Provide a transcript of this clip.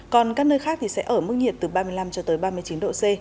còn các nơi khác thì sẽ ở mức nhiệt từ ba mươi năm ba mươi chín độ c